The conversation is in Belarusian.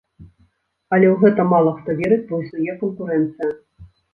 Але ў гэта мала хто верыць, бо існуе канкурэнцыя.